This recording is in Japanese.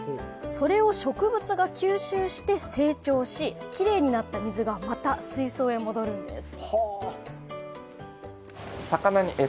それを植物が吸収して成長しきれいになった水がまた水槽へ戻るんです。